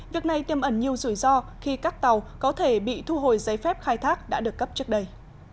việc này tiêm ẩn nhiều rủi ro khi các tàu có thể bị thu hồi giấy phép khai thác đã được cấp trước đây